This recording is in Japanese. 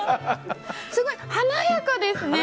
すごい、華やかですね。